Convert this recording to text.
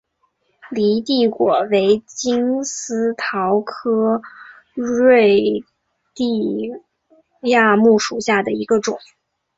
犁地果为金丝桃科瑞地亚木属下的一个种。